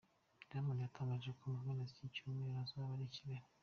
Diamond yatangaje ko mu mpera z'iki cyumweru azaba ari i Kigali.